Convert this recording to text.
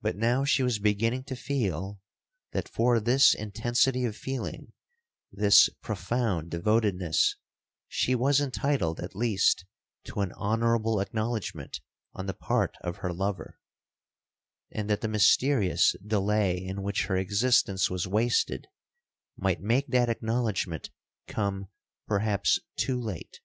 But now she was beginning to feel, that for this intensity of feeling, this profound devotedness, she was entitled at least to an honourable acknowledgement on the part of her lover; and that the mysterious delay in which her existence was wasted, might make that acknowledgement come perhaps too late.